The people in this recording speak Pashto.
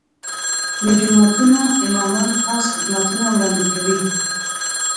د جوماتونو امامان خاص خدمتونه وړاندې کوي.